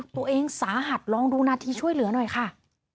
ตัวเองสาหัสลองดูนาทีช่วยเหลือหน่อยค่ะ